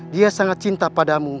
dia sangat cinta padamu